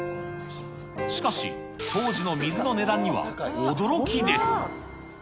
しかし、当時の水の値段には驚きです。